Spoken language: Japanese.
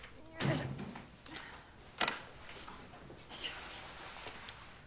よいしょ。